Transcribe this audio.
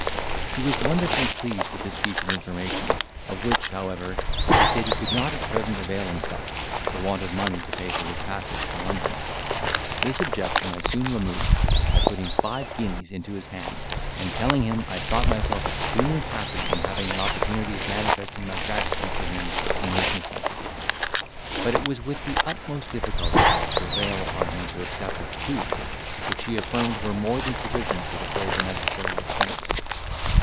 He was wonderfully pleased with this piece of information, of which, however, he said he could not at present avail himself, for want of money to pay for his passage to London. This objection I soon removed, by putting five guineas into his hand, and telling him I thought myself extremely happy in having an opportunity of manifesting my gratitude to him in his necessity. But it was with the utmost difficulty I could prevail upon him to accept of two, which he affirmed were more than sufficient to defray the necessary expense.